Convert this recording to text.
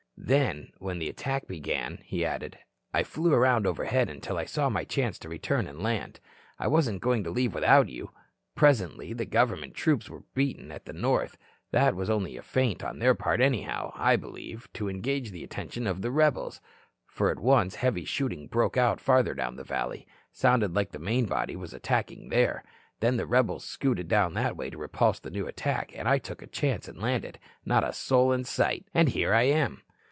"Then when the attack began," he added, "I flew around overhead until I saw my chance to return and land. I wasn't going to leave without you. Presently, the government troops were beaten at the north. That was only a feint on their part, anyhow, I believe, to engage the attention of the rebels. For at once, heavy shooting broke out farther down the valley. Sounded like the main body was attacking there. Then the rebels scooted down that way to repulse the new attack, and I took a chance and landed. Not a soul in sight. And here I am."